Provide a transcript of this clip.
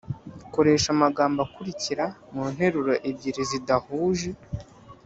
koresha amagambo akurikira mu nteruro ebyiri zidahuje